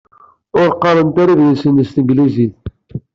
Ur qqarent idlisen s tanglizit.